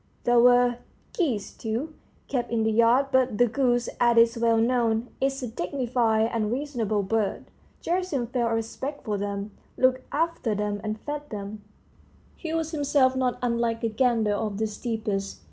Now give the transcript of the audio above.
There were geese, too, kept in the yard; but the goose, as is well known, is a dignified and reasonable bird: Gerasim felt a respect for them, looked after them, and fed them; he was himself not unlike a gander of the steppes.